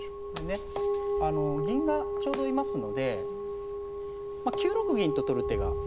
これね銀がちょうど居ますので９六銀と取る手が。